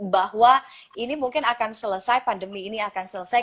bahwa ini mungkin akan selesai pandemi ini akan selesai